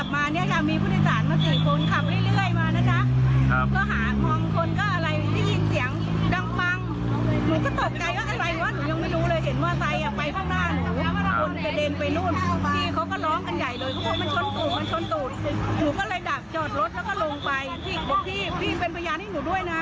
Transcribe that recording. พี่บอกพี่พี่เป็นพยานให้หนูด้วยนะ